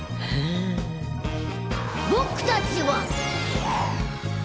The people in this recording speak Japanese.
僕たちは。